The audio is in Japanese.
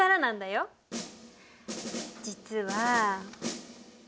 実は。